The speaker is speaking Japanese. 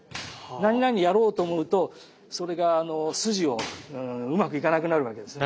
何々やろうと思うとそれが筋をうまくいかなくなるわけですね。